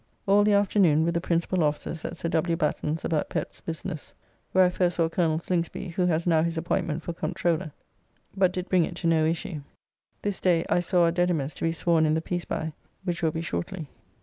All the afternoon with the principal officers at Sir W. Batten's about Pett's business (where I first saw Col. Slingsby, who has now his appointment for Comptroller), but did bring it to no issue. This day I saw our Dedimus to be sworn in the peace by, which will be shortly.